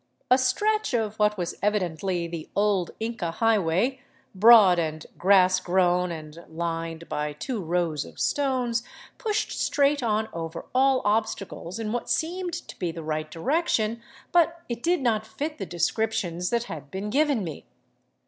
A stretch of what was evidently the old Inca highway, broad and grass grown and lined by two rows of stones, pushed straight on over all obstacles in what seemed to be the right direction, but it did not fit the descriptions that had been given me.